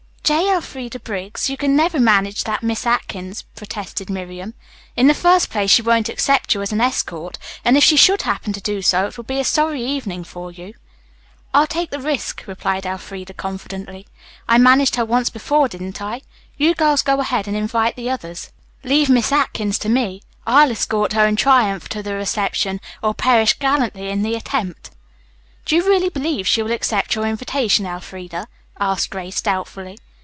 "J. Elfreda Briggs, you can never manage that Miss Atkins," protested Miriam. "In the first place, she won't accept you as an escort, and if she should happen to do so, it will be a sorry evening for you." "I'll take the risk," replied Elfreda confidently. "I managed her once before, didn't I? You girls go ahead and invite the others. Leave Miss Atkins to me. I'll escort her in triumph to the reception, or perish gallantly in the attempt." "Do you really believe she will accept your invitation, Elfreda?" asked Grace doubtfully.